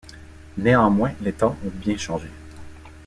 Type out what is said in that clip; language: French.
Néanmoins, les temps ont bien changé.